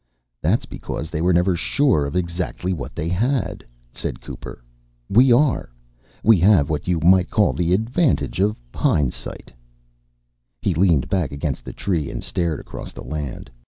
"That's because they were never sure of exactly what they had," said Cooper. "We are. We have what you might call the advantage of hindsight." He leaned back against the tree and stared across the land.